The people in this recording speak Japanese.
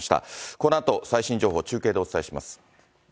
このあと最新情報、中継でお伝えします。